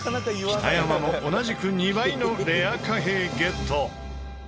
北山も同じく２倍のレア貨幣ゲット。